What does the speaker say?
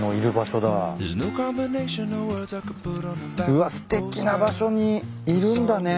うわすてきな場所にいるんだね。